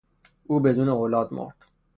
او بدون اولاد مرد.